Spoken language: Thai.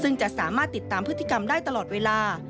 ซึ่งจะสามารถติดตามพฤติกรรมได้ตลอดเวลา